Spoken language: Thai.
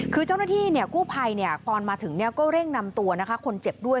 คือเจ้าหน้าที่กู้ภัยตอนมาถึงก็เร่งนำตัวคนเจ็บด้วย